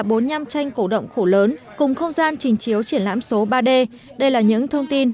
bốn mươi năm tranh cổ động khổ lớn cùng không gian trình chiếu triển lãm số ba d đây là những thông tin